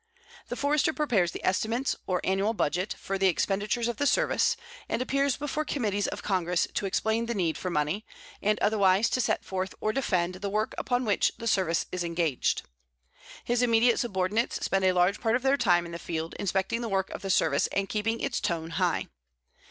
The Forester prepares the estimates, or annual budget, for the expenditures of the Service, and appears before Committees of Congress to explain the need for money, and otherwise to set forth or defend the work upon which the Service is engaged. His immediate subordinates spend a large part of their time in the field inspecting the work of the Service and keeping its tone high.